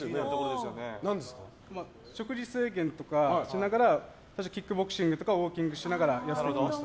食事制限とかしながらキックボクシングとかウォーキングしながら痩せました。